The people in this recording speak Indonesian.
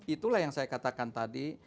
itulah yang saya katakan tadi